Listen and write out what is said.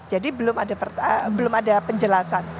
jadi belum ada penjelasan